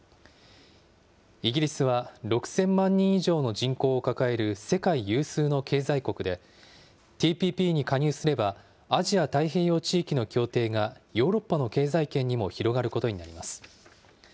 イギリスは、６０００万人以上の人口を抱える世界有数の経済国で、ＴＰＰに加入すれば、アジア太平洋地域の協定が、ヨーロッパの経済圏にも広がることになります。